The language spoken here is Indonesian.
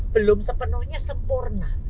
belum sepenuhnya sempurna